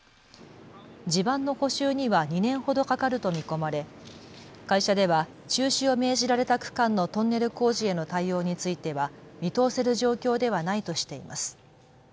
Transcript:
地盤の補修には２年ほどかかると見込まれ会社では中止を命じられた区間のトンネル工事への対応については見通せる状況ではないとしています。